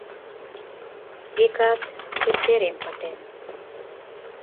— Векат, тептерем пытен.